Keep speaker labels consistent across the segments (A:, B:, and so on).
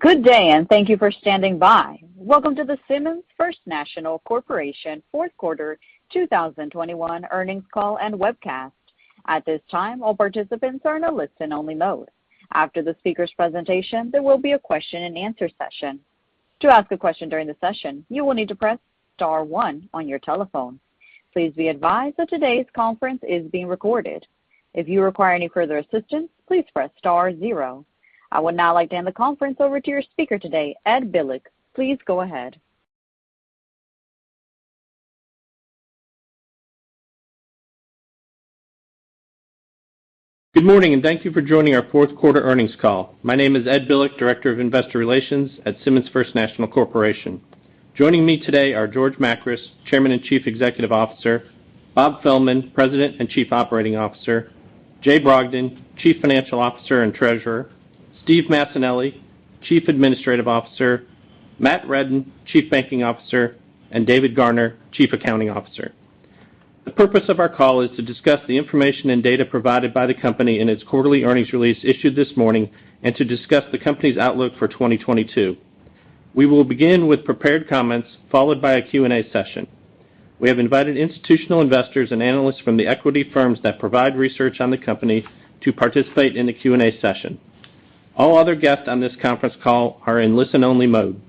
A: Good day, and thank you for standing by. Welcome to the Simmons First National Corporation fourth quarter 2021 earnings call and webcast. At this time, all participants are in a listen-only mode. After the speaker's presentation, there will be a question-and-answer session. To ask a question during the session, you will need to press star one on your telephone. Please be advised that today's conference is being recorded. If you require any further assistance, please press star zero. I would now like to hand the conference over to your speaker today, Ed Bilek. Please go ahead.
B: Good morning, and thank you for joining our fourth quarter earnings call. My name is Ed Bilek, Director of Investor Relations at Simmons First National Corporation. Joining me today are George Makris, Chairman and Chief Executive Officer, Bob Fehlman, President and Chief Operating Officer, Jay Brogdon, Chief Financial Officer and Treasurer, Steve Massanelli, Chief Administrative Officer, Matt Reddin, Chief Banking Officer, and David Garner, Chief Accounting Officer. The purpose of our call is to discuss the information and data provided by the company in its quarterly earnings release issued this morning and to discuss the company's outlook for 2022. We will begin with prepared comments followed by a Q&A session. We have invited institutional investors and analysts from the equity firms that provide research on the company to participate in the Q&A session. All other guests on this conference call are in listen-only mode.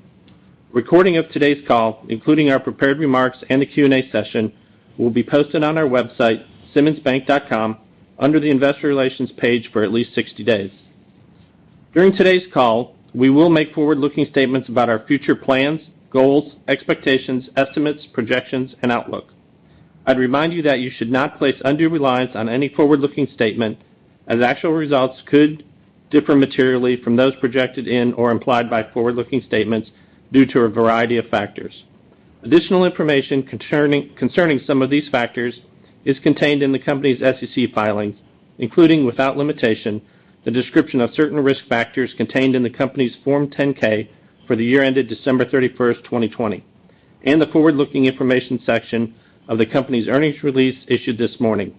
B: Recording of today's call, including our prepared remarks and the Q&A session, will be posted on our website, simmonsbank.com, under the Investor Relations page for at least 60 days. During today's call, we will make forward-looking statements about our future plans, goals, expectations, estimates, projections, and outlook. I'd remind you that you should not place undue reliance on any forward-looking statement as actual results could differ materially from those projected in or implied by forward-looking statements due to a variety of factors. Additional information concerning some of these factors is contained in the company's SEC filings, including, without limitation, the description of certain risk factors contained in the company's Form 10-K for the year ended December 31st, 2020, and the Forward-Looking Information section of the company's earnings release issued this morning.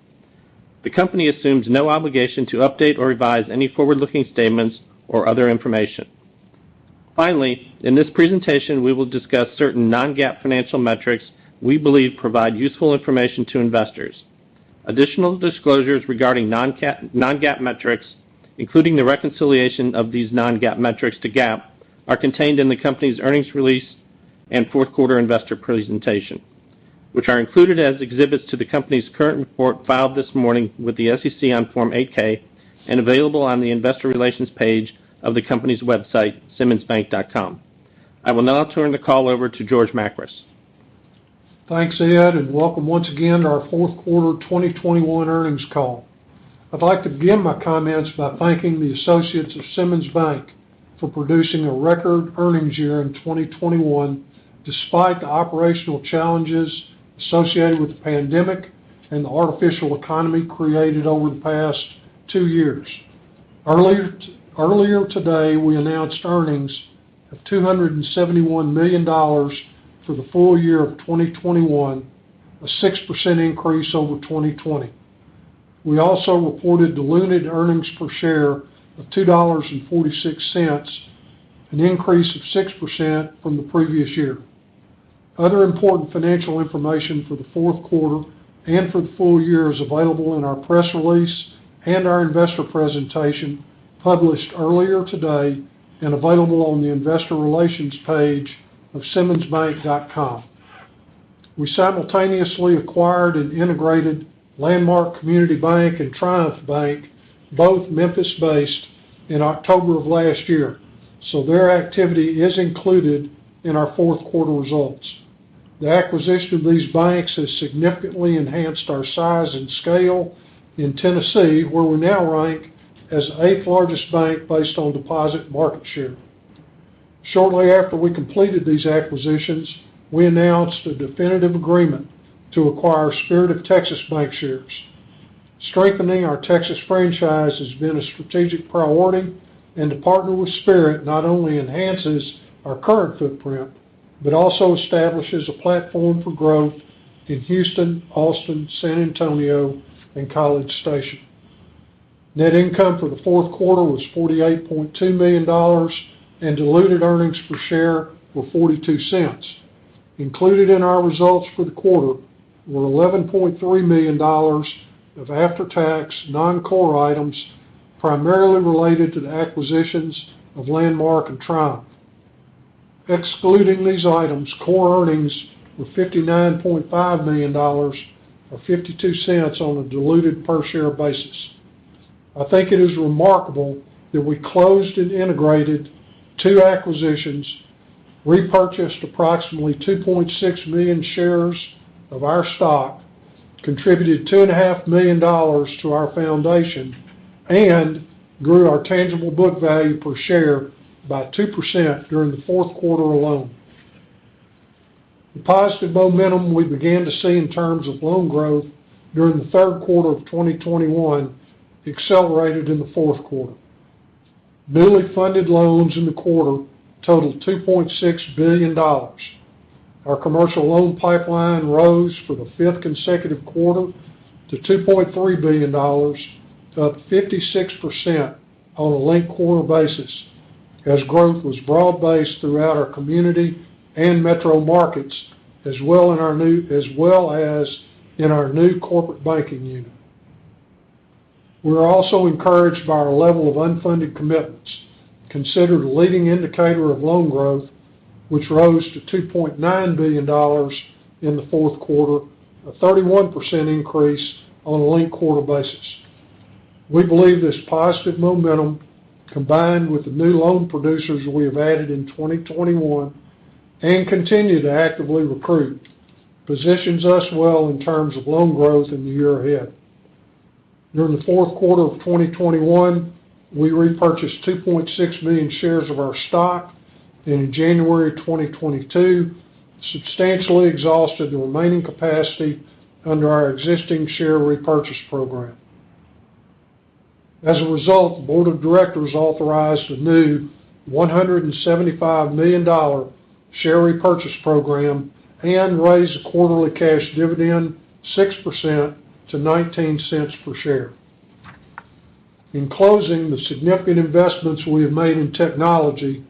B: The company assumes no obligation to update or revise any forward-looking statements or other information. Finally, in this presentation, we will discuss certain non-GAAP financial metrics we believe provide useful information to investors. Additional disclosures regarding non-GAAP metrics, including the reconciliation of these non-GAAP metrics to GAAP, are contained in the company's earnings release and fourth quarter investor presentation, which are included as exhibits to the company's current report filed this morning with the SEC on Form 8-K and available on the Investor Relations page of the company's website, simmonsbank.com. I will now turn the call over to George Makris.
C: Thanks, Ed, and welcome once again to our fourth quarter 2021 earnings call. I'd like to begin my comments by thanking the associates of Simmons Bank for producing a record earnings year in 2021, despite the operational challenges associated with the pandemic and the artificial economy created over the past two years. Earlier today, we announced earnings of $271 million for the full year of 2021, a 6% increase over 2020. We also reported diluted earnings per share of $2.46, an increase of 6% from the previous year. Other important financial information for the fourth quarter and for the full year is available in our press release and our investor presentation published earlier today and available on the Investor Relations page of simmonsbank.com. We simultaneously acquired and integrated Landmark Community Bank and Triumph Bank, both Memphis-based, in October of last year, so their activity is included in our fourth quarter results. The acquisition of these banks has significantly enhanced our size and scale in Tennessee, where we now rank as the eighth largest bank based on deposit market share. Shortly after we completed these acquisitions, we announced a definitive agreement to acquire Spirit of Texas Bancshares. Strengthening our Texas franchise has been a strategic priority, and to partner with Spirit not only enhances our current footprint, but also establishes a platform for growth in Houston, Austin, San Antonio, and College Station. Net income for the fourth quarter was $48.2 million and diluted earnings per share were $0.42. Included in our results for the quarter were $11.3 million of after-tax non-core items, primarily related to the acquisitions of Landmark and Triumph. Excluding these items, core earnings were $59.5 million or $0.52 on a diluted per share basis. I think it is remarkable that we closed and integrated two acquisitions, repurchased approximately 2.6 million shares of our stock, contributed $2.5 million to our foundation, and grew our tangible book value per share by 2% during the fourth quarter alone. The positive momentum we began to see in terms of loan growth during the third quarter of 2021 accelerated in the fourth quarter. Newly funded loans in the quarter totaled $2.6 billion. Our commercial loan pipeline rose for the fifth consecutive quarter to $2.3 billion, up 56% on a linked-quarter basis, as growth was broad-based throughout our community and metro markets, as well as in our new corporate banking unit. We're also encouraged by our level of unfunded commitments, considered a leading indicator of loan growth, which rose to $2.9 billion in the fourth quarter, a 31% increase on a linked-quarter basis. We believe this positive momentum, combined with the new loan producers we have added in 2021 and continue to actively recruit, positions us well in terms of loan growth in the year ahead. During the fourth quarter of 2021, we repurchased 2.6 million shares of our stock, and in January 2022, substantially exhausted the remaining capacity under our existing share repurchase program. As a result, the board of directors authorized a new $175 million share repurchase program and raised the quarterly cash dividend 6% to $0.19 per share. In closing, the significant investments we have made in technology,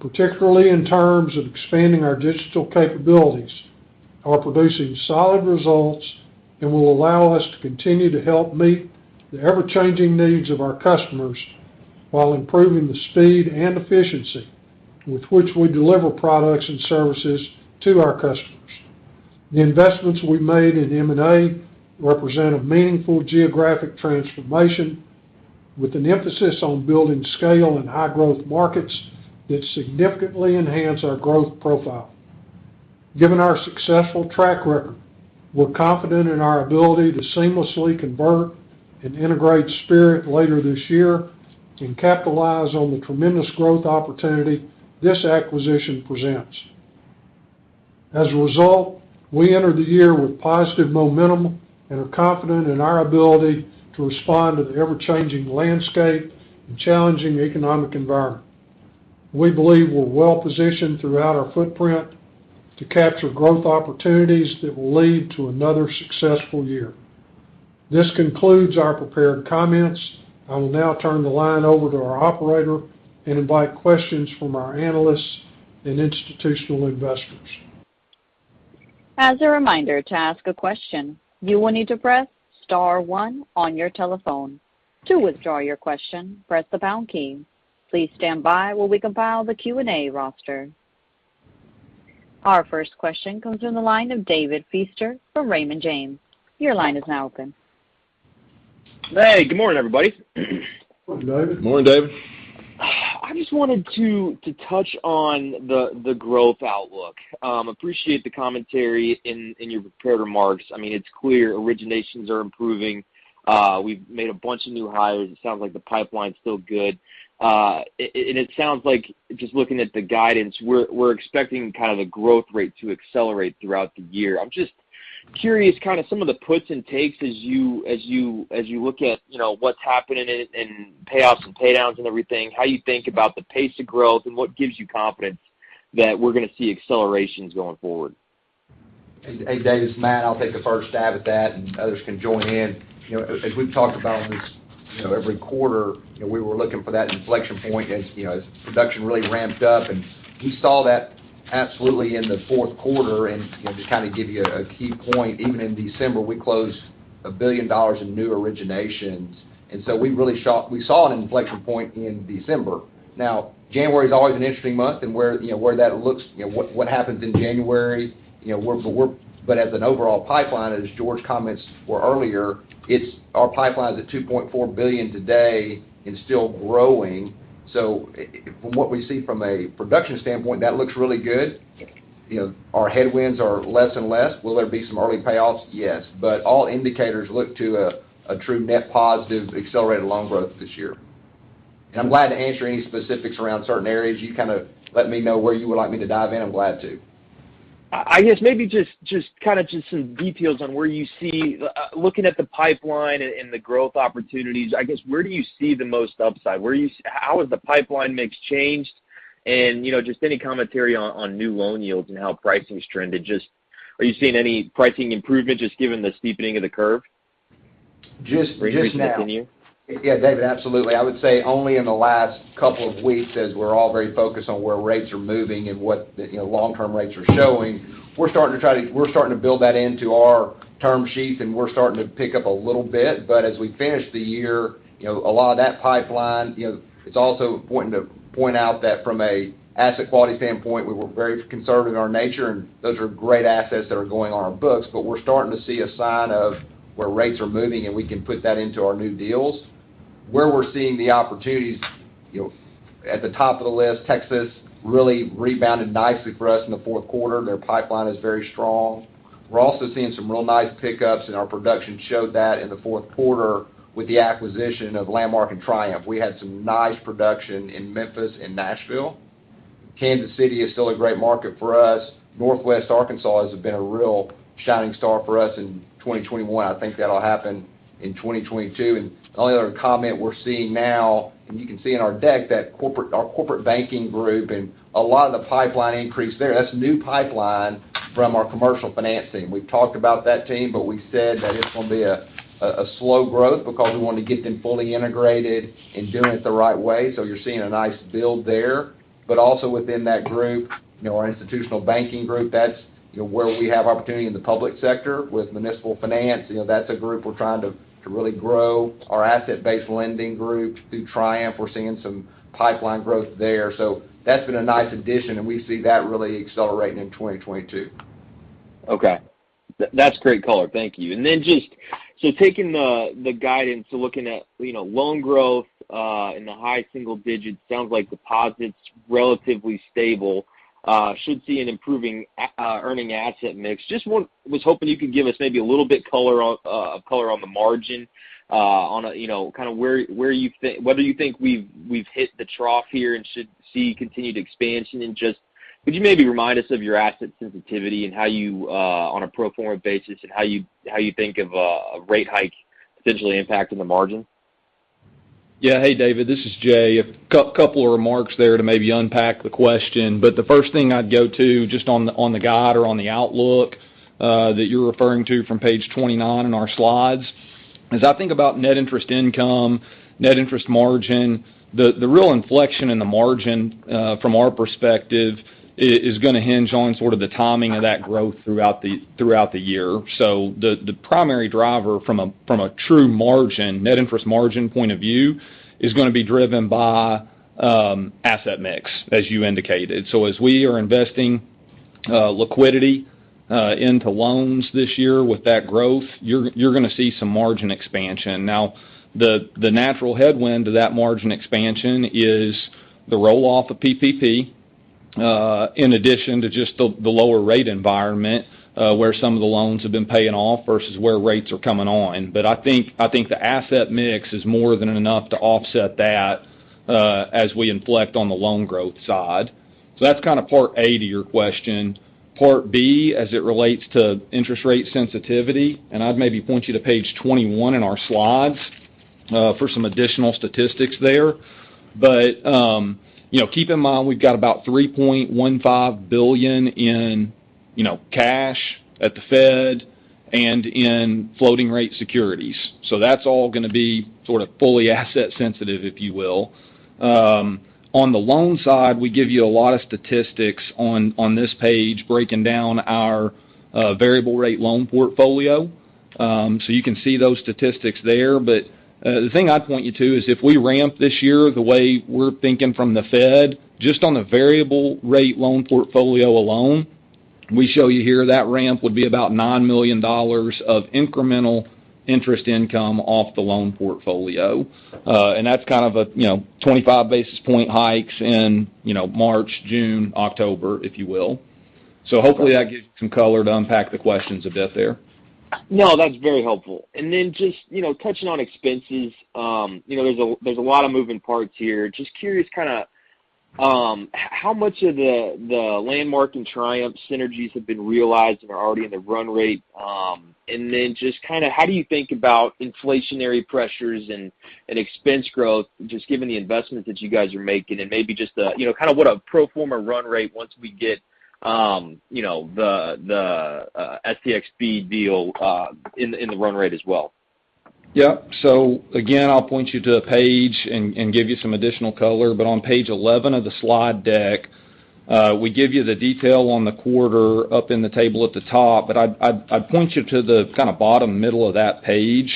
C: particularly in terms of expanding our digital capabilities, are producing solid results and will allow us to continue to help meet the ever-changing needs of our customers while improving the speed and efficiency with which we deliver products and services to our customers. The investments we made in M&A represent a meaningful geographic transformation with an emphasis on building scale in high growth markets that significantly enhance our growth profile. Given our successful track record, we're confident in our ability to seamlessly convert and integrate Spirit later this year and capitalize on the tremendous growth opportunity this acquisition presents. As a result, we enter the year with positive momentum and are confident in our ability to respond to the ever-changing landscape and challenging economic environment. We believe we're well positioned throughout our footprint to capture growth opportunities that will lead to another successful year. This concludes our prepared comments. I will now turn the line over to our operator and invite questions from our analysts and institutional investors.
A: As a reminder, to ask a question, you will need to press star one on your telephone. To withdraw your question, press the pound key. Please stand by while we compile the Q&A roster. Our first question comes from the line of David Feaster from Raymond James. Your line is now open.
D: Hey, good morning, everybody.
C: Morning, David.
E: Morning, David.
D: I just wanted to touch on the growth outlook. Appreciate the commentary in your prepared remarks. I mean, it's clear originations are improving. We've made a bunch of new hires. It sounds like the pipeline's still good. And it sounds like just looking at the guidance, we're expecting kind of the growth rate to accelerate throughout the year. I'm just curious, kind of some of the puts and takes as you look at, you know, what's happening and payoffs and pay downs and everything, how you think about the pace of growth and what gives you confidence that we're gonna see accelerations going forward.
F: Hey, David, it's Matt. I'll take the first stab at that and others can join in. You know, as we've talked about this, you know, every quarter, you know, we were looking for that inflection point as, you know, as production really ramped up, and we saw that absolutely in the fourth quarter. You know, just kind of give you a key point, even in December, we closed $1 billion in new originations. We really saw an inflection point in December. Now, January is always an interesting month and where that looks, you know, what happens in January, you know, we're. As an overall pipeline, as George commented earlier, our pipeline is at $2.4 billion today and still growing. From what we see from a production standpoint, that looks really good. You know, our headwinds are less and less. Will there be some early payoffs? Yes. But all indicators look to a true net positive accelerated loan growth this year. I'm glad to answer any specifics around certain areas. You kind of let me know where you would like me to dive in, I'm glad to.
D: I guess maybe just kind of some details on where you see looking at the pipeline and the growth opportunities, I guess, where do you see the most upside? How has the pipeline mix changed? You know, just any commentary on new loan yields and how pricing's trended. Just, are you seeing any pricing improvement just given the steepening of the curve?
F: Just now.
D: Will this continue?
F: Yeah, David, absolutely. I would say only in the last couple of weeks, as we're all very focused on where rates are moving and what the, you know, long-term rates are showing, we're starting to build that into our term sheet, and we're starting to pick up a little bit. As we finish the year, you know, a lot of that pipeline, you know, it's also important to point out that from an asset quality standpoint, we were very conservative in our nature, and those are great assets that are going on our books. We're starting to see a sign of where rates are moving, and we can put that into our new deals. Where we're seeing the opportunities, you know, at the top of the list, Texas really rebounded nicely for us in the fourth quarter. Their pipeline is very strong. We're also seeing some real nice pickups, and our production showed that in the fourth quarter with the acquisition of Landmark and Triumph. We had some nice production in Memphis and Nashville. Kansas City is still a great market for us. Northwest Arkansas has been a real shining star for us in 2021. I think that'll happen in 2022. The only other comment we're seeing now, and you can see in our deck, that our corporate banking group and a lot of the pipeline increase there, that's new pipeline from our commercial financing. We've talked about that team, but we said that it's gonna be a slow growth because we want to get them fully integrated and doing it the right way. You're seeing a nice build there. Also within that group, you know, our institutional banking group, that's, you know, where we have opportunity in the public sector with municipal finance. You know, that's a group we're trying to really grow. Our asset-based lending group through Triumph, we're seeing some pipeline growth there. That's been a nice addition, and we see that really accelerating in 2022.
D: Okay. That's great color. Thank you. Then just taking the guidance, looking at loan growth in the high single digits, sounds like deposits are relatively stable, should see an improving earning asset mix. I was hoping you could give us maybe a little bit of color on the margin, kind of where you think whether we've hit the trough here and should see continued expansion. Just, would you maybe remind us of your asset sensitivity and how you, on a pro forma basis, think of a rate hike potentially impacting the margin?
E: Yeah. Hey, David, this is Jay. A couple of remarks there to maybe unpack the question. The first thing I'd go to just on the guide or on the outlook that you're referring to from page 29 in our slides, as I think about net interest income, net interest margin, the real inflection in the margin from our perspective is gonna hinge on sort of the timing of that growth throughout the year. The primary driver from a true margin, net interest margin point of view, is gonna be driven by asset mix, as you indicated. As we are investing liquidity into loans this year with that growth, you're gonna see some margin expansion. Now, the natural headwind to that margin expansion is the roll-off of PPP, in addition to just the lower rate environment, where some of the loans have been paying off versus where rates are coming on. I think the asset mix is more than enough to offset that, as we inflect on the loan growth side. That's kind of part A to your question. Part B, as it relates to interest rate sensitivity, and I'd maybe point you to page 21 in our slides, for some additional statistics there. You know, keep in mind, we've got about $3.15 billion in cash at the Fed and in floating rate securities. That's all gonna be sort of fully asset sensitive, if you will. On the loan side, we give you a lot of statistics on this page breaking down our variable rate loan portfolio. You can see those statistics there. The thing I'd point you to is if we ramp this year the way we're thinking from the Fed, just on the variable rate loan portfolio alone, we show you here that ramp would be about $9 million of incremental interest income off the loan portfolio. That's kind of a, you know, 25 basis point hikes in, you know, March, June, October, if you will. Hopefully that gives you some color to unpack the questions a bit there.
D: No, that's very helpful. Just, you know, touching on expenses, you know, there's a lot of moving parts here. Just curious kind of, how much of the Landmark and Triumph synergies have been realized and are already in the run rate? Just kind of how do you think about inflationary pressures and expense growth, just given the investments that you guys are making and maybe just the, you know, kind of what a pro forma run rate once we get, you know, the STXB deal, in the run rate as well?
E: Yeah. Again, I'll point you to a page and give you some additional color. On page 11 of the slide deck, we give you the detail on the quarter up in the table at the top. I'd point you to the kind of bottom middle of that page.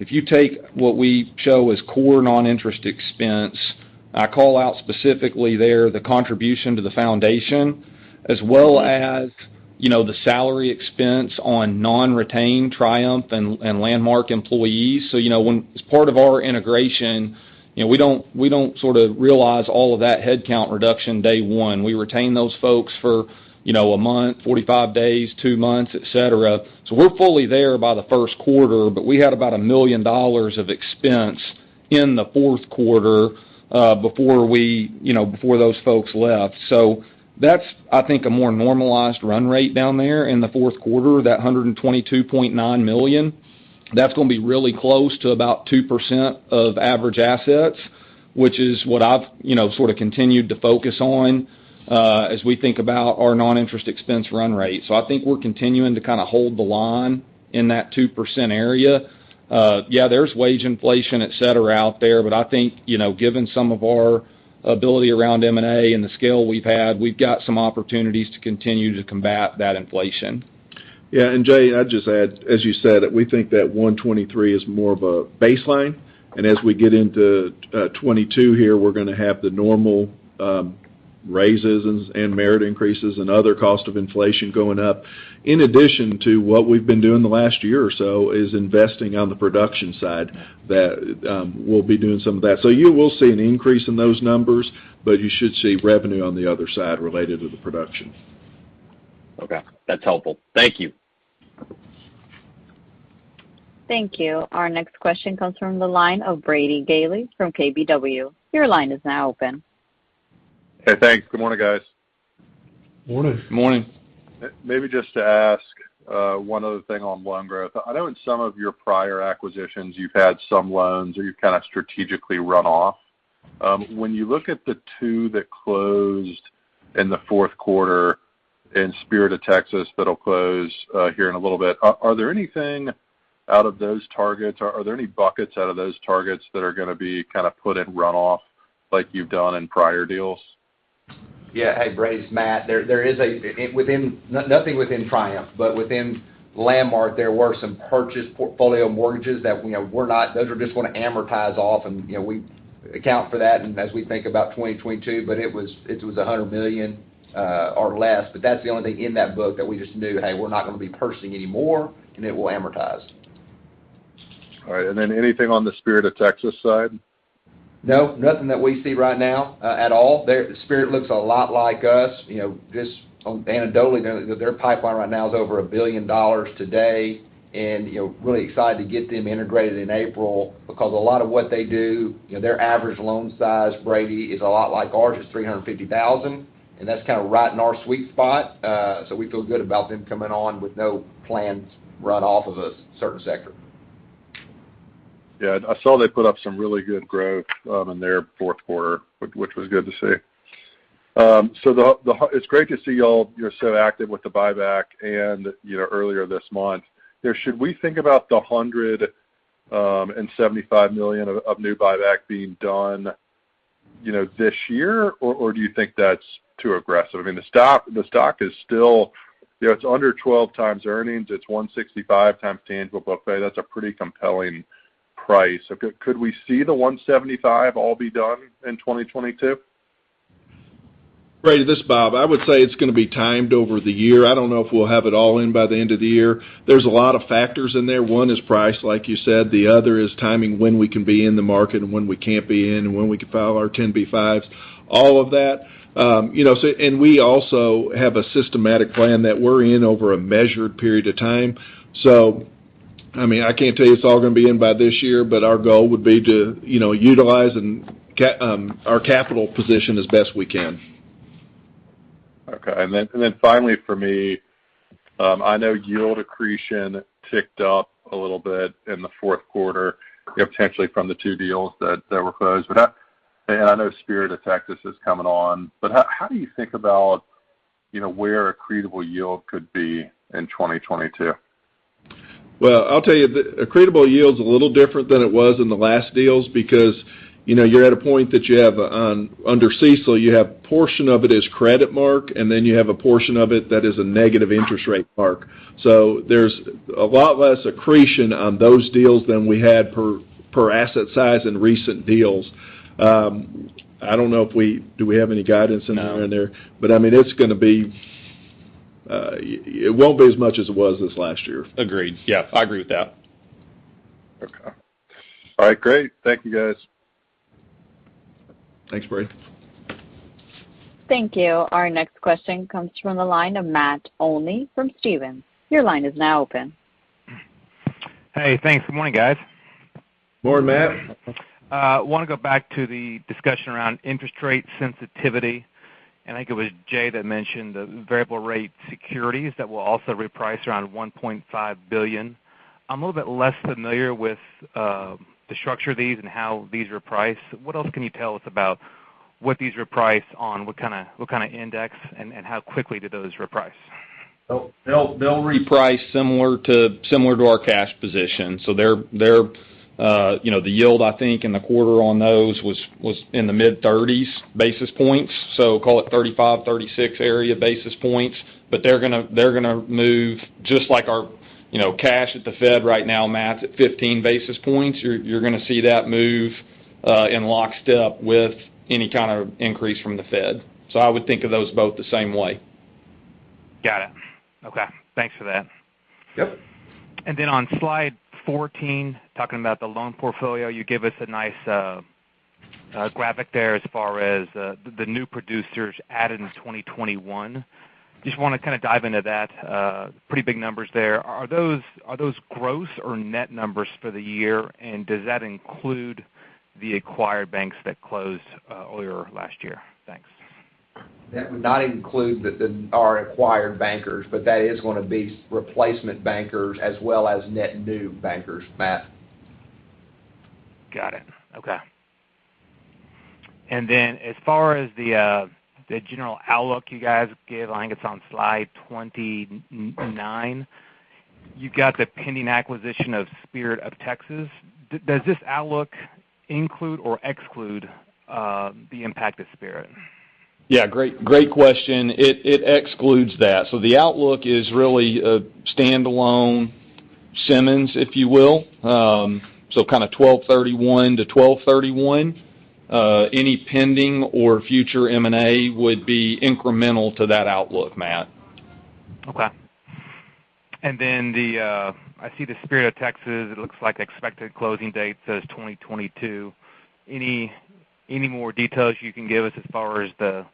E: If you take what we show as core non-interest expense, I call out specifically there the contribution to the foundation as well as, you know, the salary expense on non-retained Triumph and Landmark employees. You know, as part of our integration, you know, we don't sort of realize all of that headcount reduction day one. We retain those folks for, you know, a month, 45 days, two months, et cetera. We're fully there by the first quarter, but we had about $1 million of expense in the fourth quarter, before we, you know, before those folks left. That's, I think, a more normalized run rate down there in the fourth quarter, that $122.9 million. That's gonna be really close to about 2% of average assets, which is what I've, you know, sort of continued to focus on, as we think about our non-interest expense run rate. I think we're continuing to kind of hold the line in that 2% area. Yeah, there's wage inflation, et cetera, out there, but I think, you know, given some of our ability around M&A and the scale we've had, we've got some opportunities to continue to combat that inflation.
G: Yeah. Jay, I'd just add, as you said, that we think that $1.23 is more of a baseline. As we get into 2022 here, we're gonna have the normal raises and merit increases and other costs of inflation going up. In addition to what we've been doing the last year or so, is investing on the production side we'll be doing some of that. You will see an increase in those numbers, but you should see revenue on the other side related to the production.
D: Okay, that's helpful. Thank you.
A: Thank you. Our next question comes from the line of Brady Gailey from KBW. Your line is now open.
H: Hey, thanks. Good morning, guys.
C: Morning.
F: Morning.
H: Maybe just to ask, one other thing on loan growth. I know in some of your prior acquisitions you've had some loans or you've kind of strategically run off. When you look at the two that closed in the fourth quarter and Spirit of Texas that'll close here in a little bit, are there anything out of those targets, or are there any buckets out of those targets that are gonna be kind of put in runoff like you've done in prior deals?
F: Yeah. Hey, Brady, it's Matt. There is nothing within Triumph, but within Landmark, there were some purchase portfolio mortgages that, you know, we're not. Those are just gonna amortize off and, you know, we account for that and as we think about 2022, but it was $100 million or less. But that's the only thing in that book that we just knew, hey, we're not gonna be purchasing any more, and it will amortize.
H: All right. Anything on the Spirit of Texas side?
F: No, nothing that we see right now at all. Spirit looks a lot like us, you know, just on anecdotally, you know, their pipeline right now is over $1 billion today. You know, really excited to get them integrated in April because a lot of what they do, you know, their average loan size, Brady, is a lot like ours. It's $350,000, and that's kind of right in our sweet spot. We feel good about them coming on with no plans to run off of a certain sector.
H: Yeah. I saw they put up some really good growth in their fourth quarter, which was good to see. It's great to see y'all. You're so active with the buyback and, you know, earlier this month. Yeah, should we think about the $175 million of new buyback being done, you know, this year? Or do you think that's too aggressive? I mean, the stock is still. You know, it's under 12x earnings. It's 1.65x tangible book value. That's a pretty compelling price. Could we see the $175 all be done in 2022?
G: Brady, this is Bob. I would say it's gonna be timed over the year. I don't know if we'll have it all in by the end of the year. There's a lot of factors in there. One is price, like you said. The other is timing, when we can be in the market and when we can't be in and when we can file our 10b5-1s, all of that. You know, and we also have a systematic plan that we're in over a measured period of time. I mean, I can't tell you it's all gonna be in by this year, but our goal would be to, you know, utilize and our capital position as best we can.
H: Okay. Then finally for me, I know yield accretion ticked up a little bit in the fourth quarter, you know, potentially from the two deals that were closed. But I know Spirit of Texas is coming on, but how do you think about, you know, where accretable yield could be in 2022?
G: Well, I'll tell you, the accretable yield's a little different than it was in the last deals because, you know, you're at a point that you have, under CECL, you have a portion of it is credit mark, and then you have a portion of it that is a negative interest rate mark. So there's a lot less accretion on those deals than we had per asset size in recent deals. I don't know. Do we have any guidance anywhere in there?
E: No.
G: I mean, it's gonna be. It won't be as much as it was this last year.
E: Agreed. Yeah, I agree with that.
H: Okay. All right. Great. Thank you, guys.
G: Thanks, Brady.
A: Thank you. Our next question comes from the line of Matt Olney from Stephens. Your line is now open.
I: Hey, thanks. Good morning, guys.
E: Morning, Matt.
I: I want to go back to the discussion around interest rate sensitivity, and I think it was Jay that mentioned the variable rate securities that will also reprice around $1.5 billion. I'm a little bit less familiar with the structure of these and how these reprice. What else can you tell us about what these reprice on? What kind of index, and how quickly do those reprice?
E: They'll reprice similar to our cash position. They're, you know, the yield, I think, in the quarter on those was in the mid-30s basis points, so call it 35-36 area basis points. But they're gonna move just like our, you know, cash at the Fed right now, Matt, at 15 basis points. You're gonna see that move in lockstep with any kind of increase from the Fed. I would think of those both the same way.
I: Got it. Okay. Thanks for that.
E: Yep.
I: On slide 14, talking about the loan portfolio, you gave us a nice graphic there as far as the new producers added in 2021. Just wanna kind of dive into that. Pretty big numbers there. Are those gross or net numbers for the year? Does that include the acquired banks that closed earlier last year? Thanks.
F: That would not include the our acquired bankers, but that is gonna be replacement bankers as well as net new bankers, Matt.
I: Got it. Okay. As far as the general outlook you guys gave, I think it's on slide 29, you've got the pending acquisition of Spirit of Texas. Does this outlook include or exclude the impact of Spirit?
E: Yeah, great question. It excludes that. The outlook is really a standalone Simmons, if you will. Kind of 12/31 to 12/31. Any pending or future M&A would be incremental to that outlook, Matt.
I: Okay. I see the Spirit of Texas. It looks like expected closing date says 2022. Any more details you can give us as far as the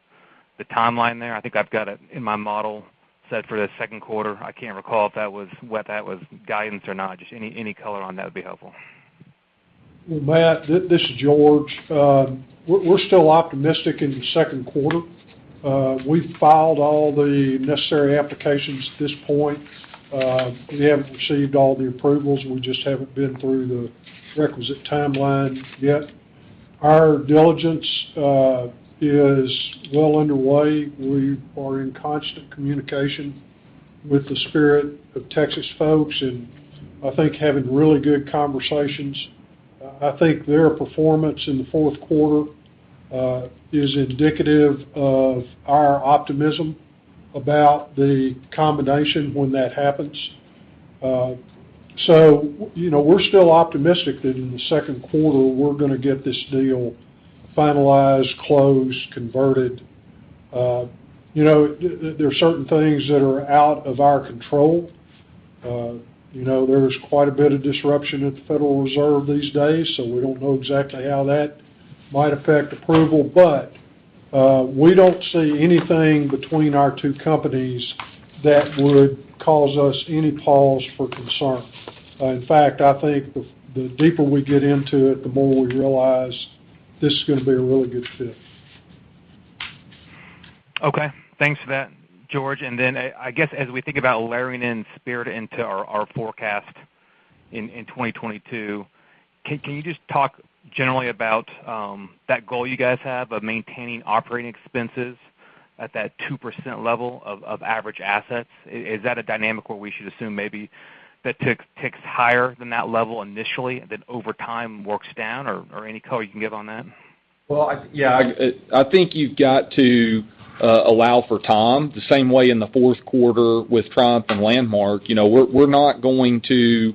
I: timeline there? I think I've got it in my model set for the second quarter. I can't recall whether that was guidance or not. Just any color on that would be helpful.
C: Well, Matt, this is George. We're still optimistic in the second quarter. We've filed all the necessary applications at this point. We haven't received all the approvals. We just haven't been through the requisite timeline yet. Our diligence is well underway. We are in constant communication with the Spirit of Texas folks, and I think having really good conversations. I think their performance in the fourth quarter is indicative of our optimism about the combination when that happens. You know, we're still optimistic that in the second quarter, we're gonna get this deal finalized, closed, converted. You know, there are certain things that are out of our control. You know, there's quite a bit of disruption at the Federal Reserve these days, so we don't know exactly how that might affect approval. But we don't see anything between our two companies that would cause us any pause for concern. In fact, I think the deeper we get into it, the more we realize this is gonna be a really good fit.
I: Okay. Thanks for that, George. I guess as we think about layering in Spirit into our forecast in 2022, can you just talk generally about that goal you guys have of maintaining operating expenses at that 2% level of average assets? Is that a dynamic where we should assume maybe that ticks higher than that level initially, that over time works down or any color you can give on that?
E: Well, yeah, I think you've got to allow for time. The same way in the fourth quarter with Triumph and Landmark. You know, we're not going to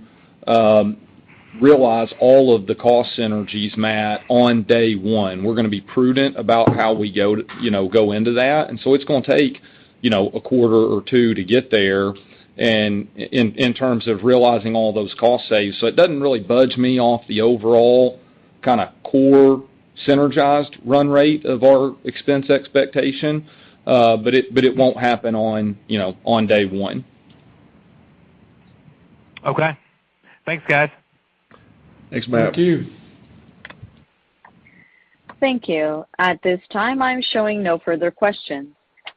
E: realize all of the cost synergies, Matt, on day one. We're gonna be prudent about how we go, you know, into that. It's gonna take, you know, a quarter or two to get there and in terms of realizing all those cost saves. It doesn't really budge me off the overall kind of core synergized run rate of our expense expectation, but it won't happen on, you know, day one.
I: Okay. Thanks, guys.
E: Thanks, Matt.
C: Thank you.
A: Thank you. At this time, I'm showing no further questions.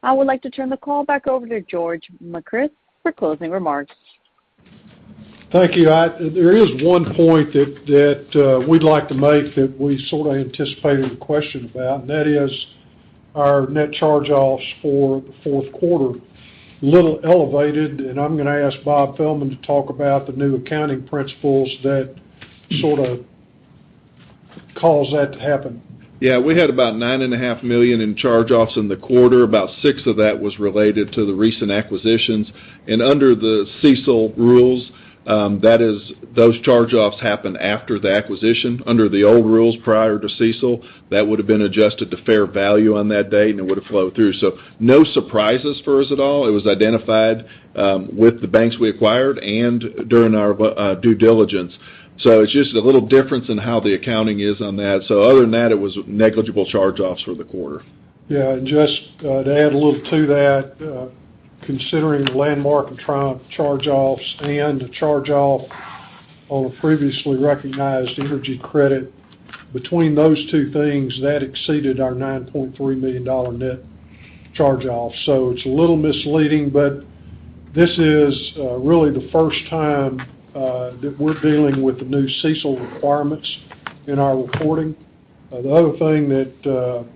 A: I would like to turn the call back over to George Makris for closing remarks.
C: Thank you. There is one point that we'd like to make that we sort of anticipated a question about, and that is our net charge-offs for the fourth quarter, a little elevated, and I'm gonna ask Bob Fehlman to talk about the new accounting principles that sort of caused that to happen.
G: Yeah. We had about $9.5 million in charge-offs in the quarter. About $6 million of that was related to the recent acquisitions. Under the CECL rules, that is, those charge-offs happen after the acquisition. Under the old rules, prior to CECL, that would have been adjusted to fair value on that date, and it would have flowed through. No surprises for us at all. It was identified with the banks we acquired and during our due diligence. It's just a little difference in how the accounting is on that. Other than that, it was negligible charge-offs for the quarter.
C: Yeah. Just to add a little to that, considering the Landmark and Triumph charge-offs and the charge-off on a previously recognized energy credit, between those two things, that exceeded our $9.3 million net charge-off. It's a little misleading, but this is really the first time that we're dealing with the new CECL requirements in our reporting. The other thing that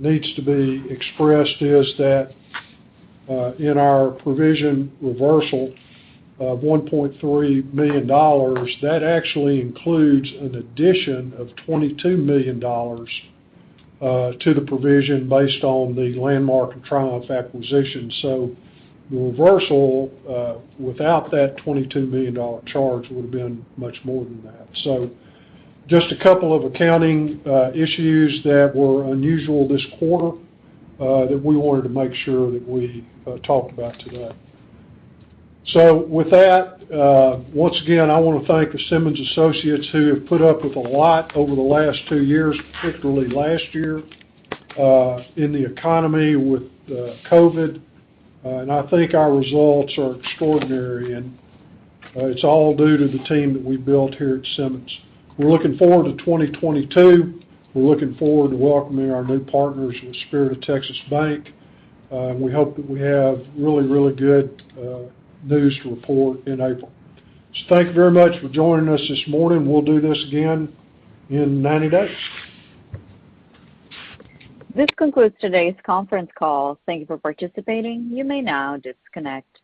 C: needs to be expressed is that in our provision reversal of $1.3 million, that actually includes an addition of $22 million to the provision based on the Landmark and Triumph acquisition. The reversal without that $22 million charge would have been much more than that. Just a couple of accounting issues that were unusual this quarter, that we wanted to make sure that we talked about today. With that, once again, I wanna thank the Simmons associates who have put up with a lot over the last two years, particularly last year, in the economy with COVID. I think our results are extraordinary, and it's all due to the team that we built here at Simmons. We're looking forward to 2022. We're looking forward to welcoming our new partners with Spirit of Texas Bank. We hope that we have really, really good news to report in April. Thank you very much for joining us this morning. We'll do this again in 90 days.
A: This concludes today's conference call. Thank you for participating. You may now disconnect.